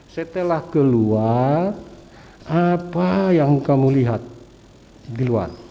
setelah keluar apa yang kamu lihat di luar